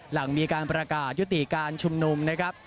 หลังมีการประกาศยุติการชุมนุมนะครับ